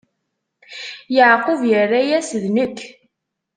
Yeɛqub irra-yas: D nekk.